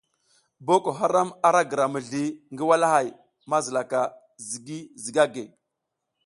Boko haram ara gira mizli ngi walahay mazilaka ZIGI ZIGAGUE.